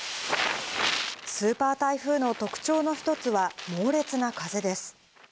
スーパー台風の特徴の一つは猛烈な風です。